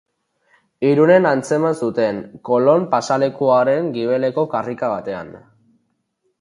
Irunen atzeman zuten, Colon pasealekuaren gibeleko karrika batean.